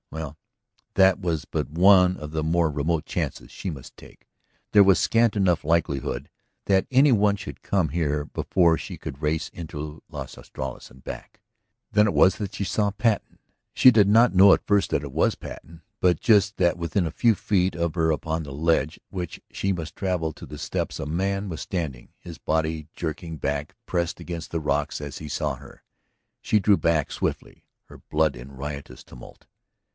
Well, that was but one of the more remote chances she must take. There was scant enough likelihood that any one should come here before she could race into Las Estrellas and back. Then it was that she saw Patten. She did not know at first that it was Patten, but just that within a few feet of her upon the ledge which she must travel to the steps a man was standing, his body jerking back, pressed against the rocks as he saw her. She drew back swiftly, her blood in riotous tumult.